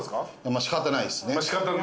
仕方ないです。